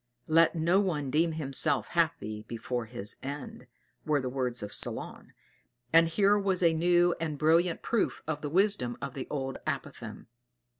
"Let no one deem himself happy before his end," were the words of Solon; and here was a new and brilliant proof of the wisdom of the old apothegm.